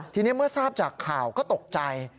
ทีนี้เมื่อทราบจากข่าวก็ตกใจ